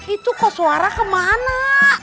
itu kok suara kemana